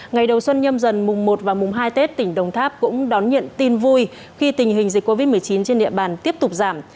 ngày đầu xuân nhâm dần mùng một và mùng hai tết tỉnh đồng tháp cũng đón nhận tin vui khi tình hình dịch covid một mươi chín trên địa bàn tiếp tục giảm